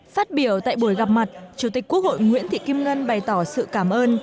phát biểu tại buổi gặp mặt chủ tịch quốc hội nguyễn thị kim ngân bày tỏ sự cảm ơn